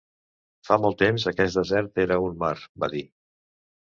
"Fa molt temps, aquest desert era un mar", va dir.